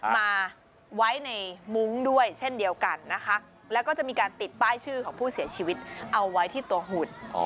มาไว้ในมุ้งด้วยเช่นเดียวกันนะคะแล้วก็จะมีการติดป้ายชื่อของผู้เสียชีวิตเอาไว้ที่ตัวหุ่น